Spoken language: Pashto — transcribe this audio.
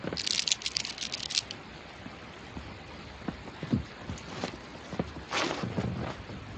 له ضرر څخه بل مسلمان په امان وي.